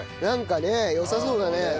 なんかね良さそうだね。